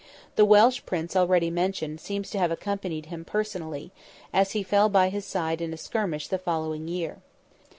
The Welsh Prince already mentioned seems to have accompanied him personally, as he fell by his side in a skirmish the following year.